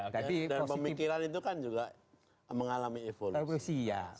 dan pemikiran itu kan juga mengalami evolusi